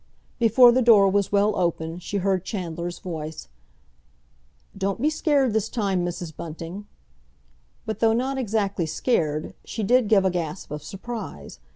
Before the door was well open, she heard Chandler's voice. "Don't be scared this time, Mrs. Bunting!" But though not exactly scared, she did give a gasp of surprise.